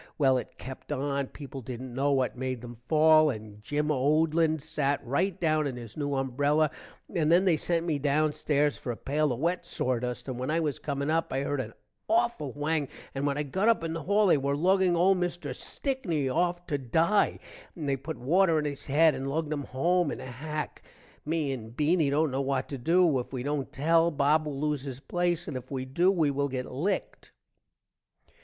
well it kept on, people dident know what made them fall, and Gim Odlin sat write down in his new umbrella and then they sent me down stairs for a pail of wet sordust and when i was coming up i heard an awful whang, and when i got up in the hall they were lugging old mister Stickney off to die and they put water on his head and lugged him home in a hack. me and Beany dont know what to do. if we dont tell, Bob will lose his place and if we do we will get licked.